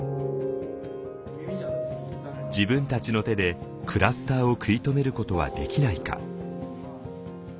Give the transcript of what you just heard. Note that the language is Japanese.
自分たちの手でクラスターを食い止めることはできないか。